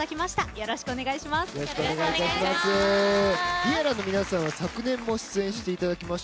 よろしくお願いします。